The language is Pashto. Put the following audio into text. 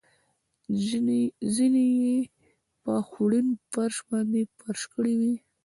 زېنې یې په خوړین فرش باندې فرش کړې وې.